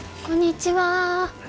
こんにちは。